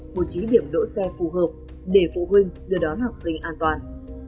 hồ chí điểm đỗ xe phù hợp để phụ huynh đưa đón học sinh an toàn